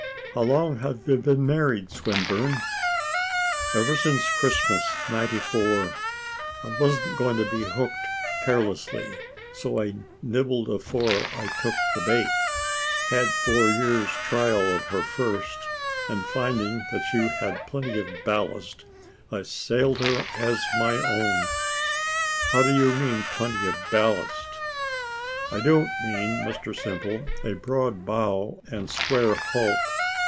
"How long have you been married, Swinburne?" "Ever since Christmas '94. I wasn't going to be hook'd carelessly, so I nibbled afore I took the bait. Had four years' trial of her first, and finding that she had plenty of ballast, I sailed her as my own." "How do you mean by plenty of ballast?" "I don't mean, Mr Simple, a broad bow and square hulk.